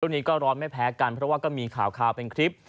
นี้ก็ร้อนไม่แพ้กันเพราะว่าก็มีข่าวเป็นคลิป